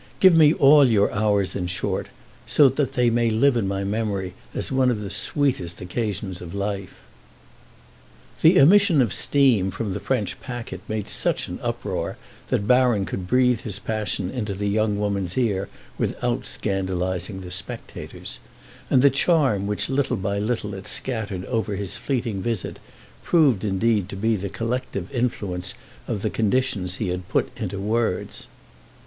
Give me all your hours in short, so that they may live in my memory as one of the sweetest occasions of life." The emission of steam from the French packet made such an uproar that Baron could breathe his passion into the young woman's ear without scandalising the spectators; and the charm which little by little it scattered over his fleeting visit proved indeed to be the collective influence of the conditions he had put into words.